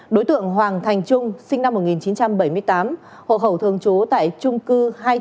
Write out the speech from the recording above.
đối tượng hoàng thành trung sinh năm một nghìn chín trăm bảy mươi tám hộ khẩu thường chú tại trung cư hai trăm tám mươi hai